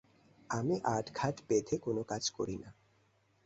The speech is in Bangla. আমি আটঘাট বেঁধে কোন কাজ করি না।